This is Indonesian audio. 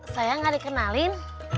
sayang gak dikenalin